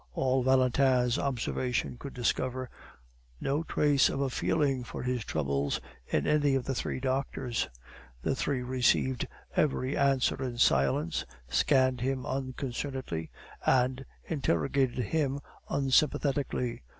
All Valentin's observation could discover no trace of a feeling for his troubles in any of the three doctors. The three received every answer in silence, scanned him unconcernedly, and interrogated him unsympathetically.